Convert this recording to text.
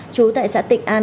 trú tại xã tịnh an